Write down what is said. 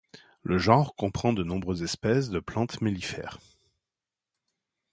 Le genre comprend de nombreuses espèces de plantes mellifères.